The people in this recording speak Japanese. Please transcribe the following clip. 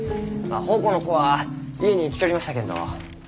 奉公の子は家に来ちょりましたけんど。